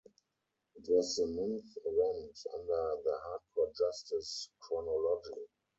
It was the ninth event under the Hardcore Justice chronology.